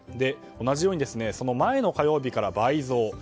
同じようにその前の火曜日から倍増。